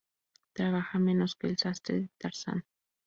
Trabaja menos que el sastre de Tarzán